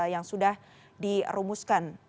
yang sudah dirumuskan